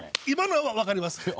今のは分かります。